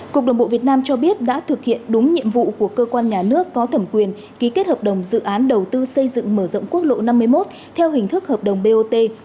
cục đồng bộ việt nam cho biết đã thực hiện đúng nhiệm vụ của cơ quan nhà nước có thẩm quyền ký kết hợp đồng dự án đầu tư xây dựng mở rộng quốc lộ năm mươi một theo hình thức hợp đồng bot